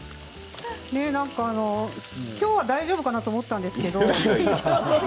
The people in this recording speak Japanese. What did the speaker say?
きょうは大丈夫かなと思ったんですけれど。